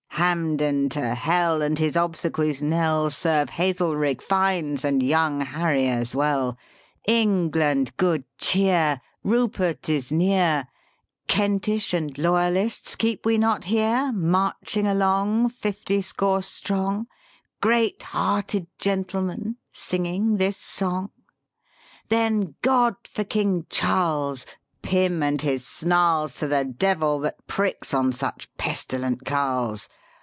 Ill Hampden to hell, and his obsequies' knell Serve Hazelrig, Fiennes, and young Harry as well ! England, good cheer! Rupert is near! Kentish and loyalists, keep we not here, (Chorus) Marching along, fifty score strong, Great hearted gentlemen, singing this song ? 140 LYRIC POETRY IV Then, God for King Charles ! Pym and his snarls To the Devil that pricks on such pestilent carles